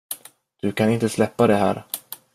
Du kan inte släppa det här.